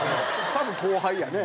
多分後輩やね。